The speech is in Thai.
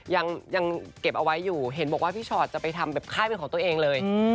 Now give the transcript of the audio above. ยังเก็บเอาไว้อยู่เห็นบอกว่าพี่ชอตจะไปทำแบบค่ายเป็นของตัวเองเลย